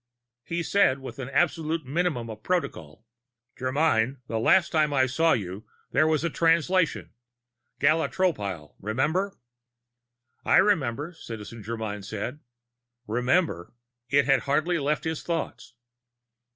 He said, with an absolute minimum of protocol: "Germyn, the last time I saw you, there was a Translation. Gala Tropile, remember?" "I remember," Citizen Germyn said. Remember! It had hardly left his thoughts.